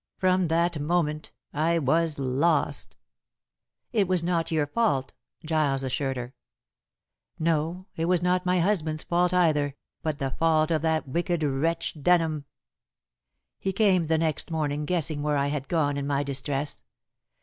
"From that moment I was lost." "It was not your fault," Giles assured her. "No; it was not my husband's fault either, but the fault of that wicked wretch Denham. He came the next morning, guessing where I had gone in my distress.